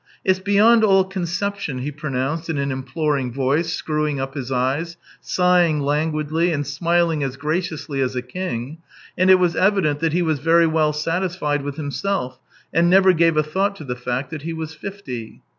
It's beyond all conception." he pronounced in an imploring voice, screwing up his eyes, sighing languidly, and smiling as graciously as a king, and it was evident that he was very well satisfied with himself, and never gave a thought to the fact that he was fifty.